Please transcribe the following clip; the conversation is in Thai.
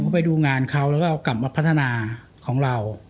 ไปดูงานเขาแล้วก็เอากลับมาพัฒนาของเรา